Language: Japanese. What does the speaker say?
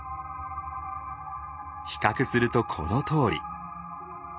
比較するとこのとおり。